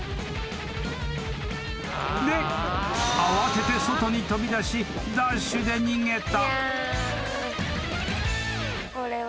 ［で慌てて外に飛び出しダッシュで逃げた］